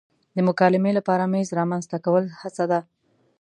د مکالمې لپاره میز رامنځته کول هڅه ده.